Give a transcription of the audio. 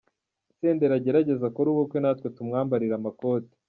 Senderi agerageze akore ubukwe natwe tumwambarire amakoti.